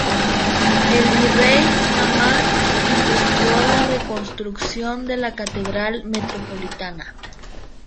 El virrey Amar emprendió la reconstrucción de la Catedral Metropolitana.